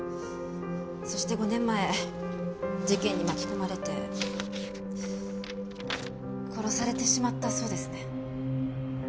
そして５年前事件に巻き込まれて殺されてしまったそうですね。